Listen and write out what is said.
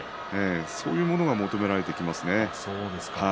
そういうものが求められてきましたね。